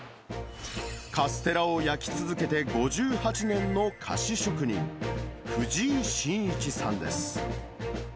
カステラを焼き続けて５８年の菓子職人、藤井伸一さんです。